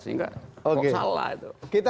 sehingga kok salah itu